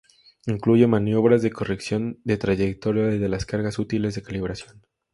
Incluye maniobras de corrección de trayectoria y de las cargas útiles de calibración.